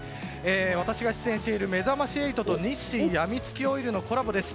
私が出演している「めざまし８」と日清やみつきオイルのコラボです。